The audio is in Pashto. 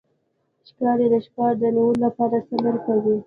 ښکاري د ښکار د نیولو لپاره صبر کوي.